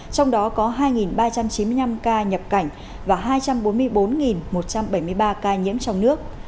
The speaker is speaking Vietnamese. trong đó có hai ba trăm chín mươi năm ca nhập cảnh và hai trăm bốn mươi bốn một trăm bảy mươi ba ca nhiễm trong nước